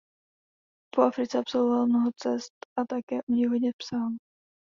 Po Africe absolvoval mnoho cest a také o nich hodně psal.